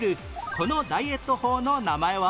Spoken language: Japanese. このダイエット法の名前は？